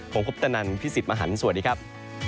ผมคุปตะนันพี่สิทธิ์มหันฯสวัสดีครับ